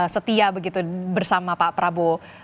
setia begitu bersama pak prabowo